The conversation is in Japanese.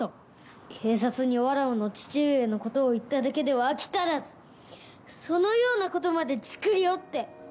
警察にわらわの父上の事を言っただけでは飽き足らずそのような事までチクりおって！